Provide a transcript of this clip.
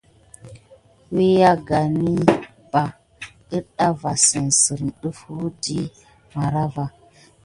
Wakayawəni ɓay inda vaŋ si sezti wuadiya marava.